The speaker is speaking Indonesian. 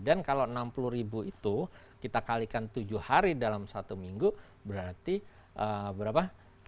dan kalau enam puluh ribu itu kita kalikan tujuh hari dalam satu minggu berarti berapa